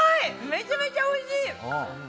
めちゃめちゃおいしい！